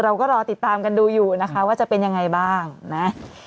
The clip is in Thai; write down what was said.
เราก็รอติดตามกันดูอยู่นะคะว่าจะเป็นยังไงบ้างนะ